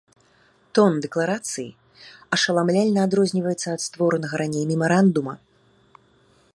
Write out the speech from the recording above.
Тон дэкларацыі ашаламляльна адрозніваецца ад створанага раней мемарандума.